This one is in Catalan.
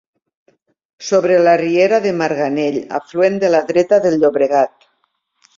Sobre la riera de Marganell, afluent de la dreta del Llobregat.